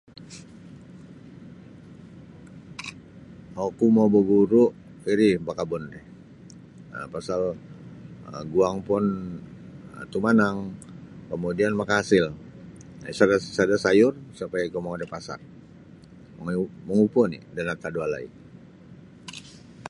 Oku mau baguru iri bakabun ri um pasal um guang pun um tumanang kemudian makaasil isa sada sayur sa payah ikou mongoi da pasar mongoi mangupu oni da natad walai.